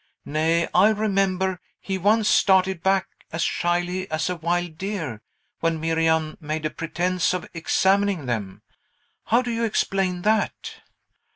Nay, I remember, he once started back, as shyly as a wild deer, when Miriam made a pretence of examining them. How do you explain that?"